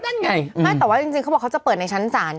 ใช่แต่ว่าจริงเขาจะเปิดในชั้นสาร